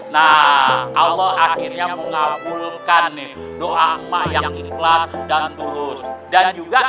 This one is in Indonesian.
nah allah akhirnya mengabulkan nih doa emak yang ikhlas dan terus dan juga